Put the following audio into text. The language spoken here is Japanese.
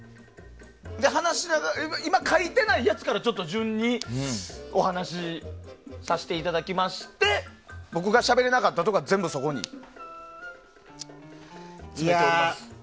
今、書いてないやつから順にお話をさせていただきまして僕がしゃべれなかったところは全部そこにつけております。